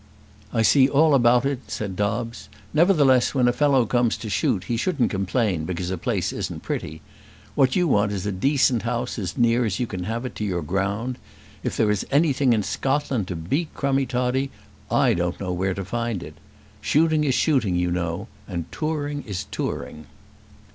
"I see all about it," said Dobbes. "Nevertheless when a fellow comes to shoot he shouldn't complain because a place isn't pretty. What you want is a decent house as near as you can have it to your ground. If there is anything in Scotland to beat Crummie Toddie I don't know where to find it. Shooting is shooting you know, and touring is touring."